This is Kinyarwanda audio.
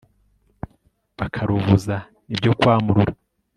bakaruvuza ni byo kwamurura